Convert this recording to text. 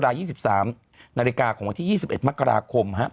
๒๓นาฬิกาของวันที่๒๑มกราคม